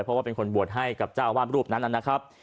เพราะว่าเป็นคนบวชให้กับเจ้าอาวาสรูปนั้นนะครับ